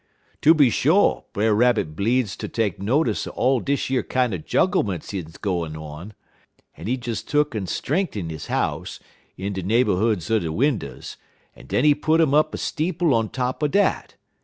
"Tooby sho' Brer Rabbit bleedz ter take notice er all dish yer kinder jugglements en gwines on, en he des tuck'n strenken he house, in de neighborhoods er de winders, en den he put 'im up a steeple on top er dat.